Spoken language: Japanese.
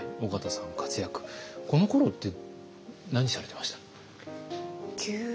このころって何されてました？